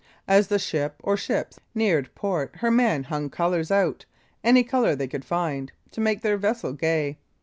As the ship, or ships, neared port, her men hung colors out any colors they could find to make their vessel gay.